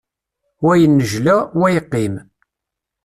Wa yennejla, wa yeqqim.